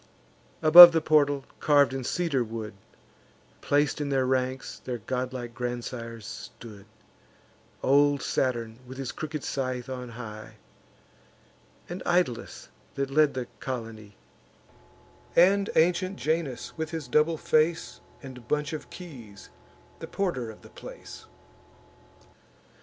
Above the portal, carv'd in cedar wood, Plac'd in their ranks, their godlike grandsires stood; Old Saturn, with his crooked scythe, on high; And Italus, that led the colony; And ancient Janus, with his double face, And bunch of keys, the porter of the place.